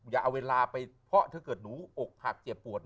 อย่าเอาเวลาไปเพราะถ้าเกิดหนูอกหักเจ็บปวด